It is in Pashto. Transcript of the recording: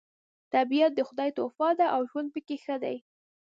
طبیعت د خدای تحفه ده او ژوند پکې ښه دی